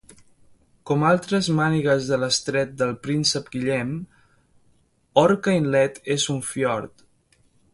Com altres mànigues de l'Estret del Príncep Guillem, Orca Inlet és un fiord.